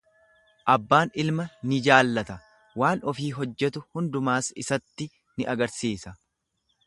Abbaan ilma ni jaallata, waan ofii hojjetu hundumaas isatti ni argisiisa.